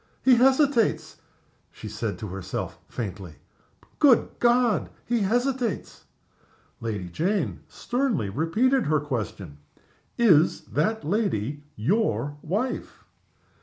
"He hesitates!" she said to herself, faintly. "Good God! he hesitates!" Lady Jane sternly repeated her question. "Is that lady your wife?"